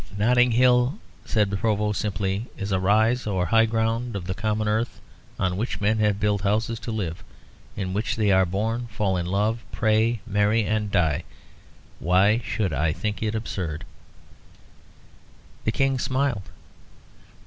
"Notting Hill," said the Provost, simply, "is a rise or high ground of the common earth, on which men have built houses to live, in which they are born, fall in love, pray, marry, and die. Why should I think it absurd?" The King smiled.